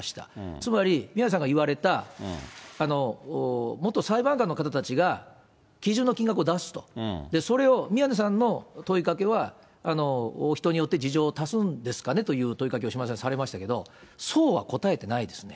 つまり宮根さんが言われた、元裁判官の方たちが、基準の金額を出すと、それを、宮根さんの問いかけは、人によって事情を足すんですかねという問いかけをされましたけど、そうは答えてないですね。